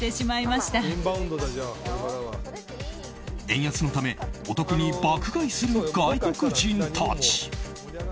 円安のためお得に爆買いする外国人たち。